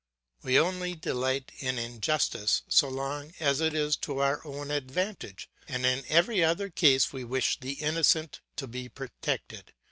We only delight in injustice so long as it is to our own advantage; in every other case we wish the innocent to be protected.